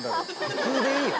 普通でいいよ